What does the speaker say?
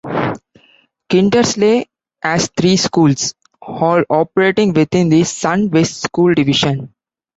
Kindersley has three schools, all operating within the Sun West School Division.